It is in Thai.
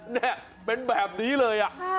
นี่เป็นแบบนี้เลย